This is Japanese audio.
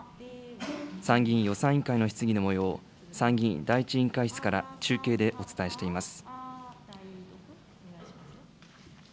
参議院予算委員会の質疑のもようを参議院第１委員会室から中継でお伝えしています。